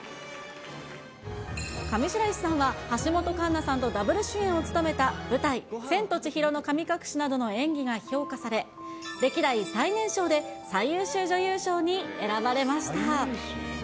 上白石さんは橋本環奈さんとダブル主演を務めた舞台、千と千尋の神隠しなどの演技が評価され、歴代最年少で最優秀女優賞に選ばれました。